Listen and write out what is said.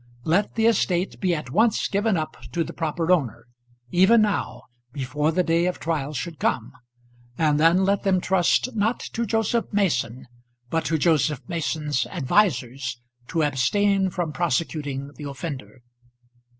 Let the estate be at once given up to the proper owner, even now, before the day of trial should come; and then let them trust, not to Joseph Mason, but to Joseph Mason's advisers to abstain from prosecuting the offender.